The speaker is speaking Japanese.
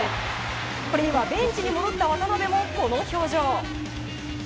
これにはベンチに戻った渡邊もこの表情。